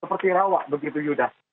seperti rawak begitu yuda